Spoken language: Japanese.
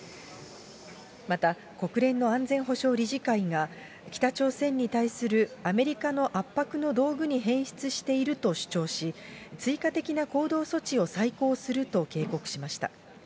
また、国連の安全保障理事会が、北朝鮮に対するアメリカの圧迫の道具に変質していると主張し、追加的な行動措置を再考すると警告しました。